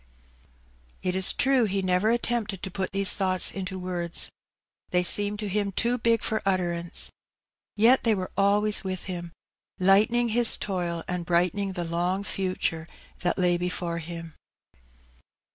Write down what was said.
It is true he never attempted to put these thoughts into words. They seemed to him too big for utterance; yet they were always with him, lightening his toil and brightening the long future that lay before him.